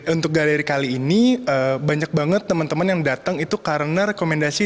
untuk galeri kali ini banyak banget teman teman yang datang itu karena rekomendasi